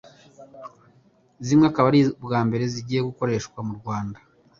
zimwe zikaba ari ubwa mbere zigiye gukoreshwa mu Rwanda.